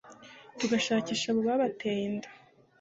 tugashakisha abo babateye inda